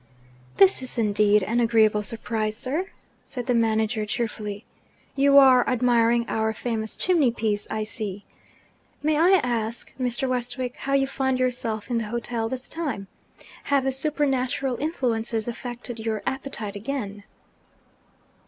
'This is indeed an agreeable surprise, sir!' said the manager cheerfully. 'You are admiring our famous chimney piece, I see. May I ask, Mr. Westwick, how you find yourself in the hotel, this time? Have the supernatural influences affected your appetite again?'